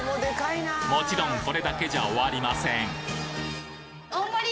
もちろんこれだけじゃ終わりません！